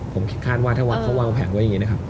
ผมคิดคาดว่าถ้าเขาวางแผงว่าอย่างนี้นะครับ